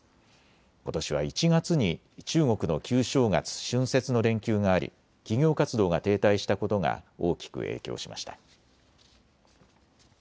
ことしは１月に中国の旧正月、春節の連休があり企業活動が停滞したことが大きく影響しました。